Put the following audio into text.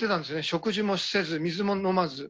食事もせず、水も飲まず。